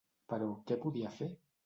Però què podia fer?